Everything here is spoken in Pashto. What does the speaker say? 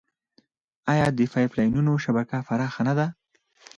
آیا د پایپ لاینونو شبکه پراخه نه ده؟